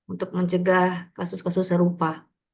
untuk mencegah kasus kasus serupa